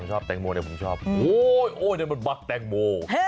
ชอบแตงโมเนี่ยผมชอบโอ้ยโอ้ยนี่มันบัคแตงโม